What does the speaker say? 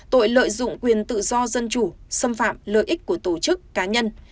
tội lợi dụng quyền tự do dân chủ xâm phạm lợi ích của tổ chức cá nhân